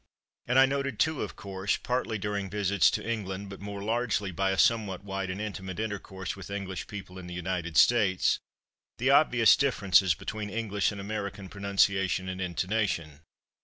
And I noted too, of course, partly during visits to England but more largely by a somewhat wide and intimate intercourse with English people in the United States, the obvious differences between English and American pronunciation and intonation.